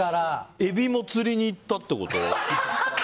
エビも釣りに行ったってこと？